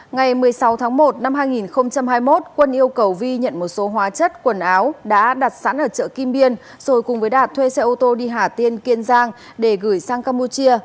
ngày một mươi sáu tháng một năm hai nghìn hai mươi một quân yêu cầu vi nhận một số hóa chất quần áo đã đặt sẵn ở chợ kim biên rồi cùng với đạt thuê xe ô tô đi hà tiên kiên giang để gửi sang campuchia